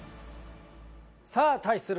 さあ対する